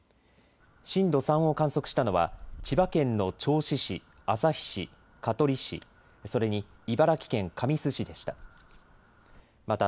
震度３を観測したのは千葉県の銚子市、旭市、香取市、それに茨城県神栖市でした。